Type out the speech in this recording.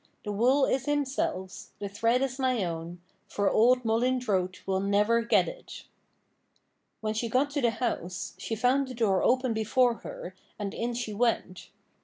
The wool is Himself's, the thread is my own, For old Mollyndroat will never get it. When she got to the house, she found the door open before her, and in she went.